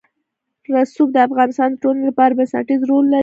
رسوب د افغانستان د ټولنې لپاره بنسټيز رول لري.